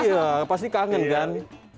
iya pasti kangen kan